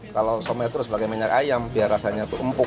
kalau shumai itu sebagai minyak ayam biar rasanya empuk